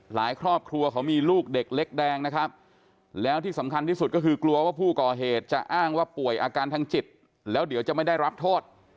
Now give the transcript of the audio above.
ครอบครัวเขามีลูกเด็กเล็กแดงนะครับแล้วที่สำคัญที่สุดก็คือกลัวว่าผู้ก่อเหตุจะอ้างว่าป่วยอาการทางจิตแล้วเดี๋ยวจะไม่ได้รับโทษ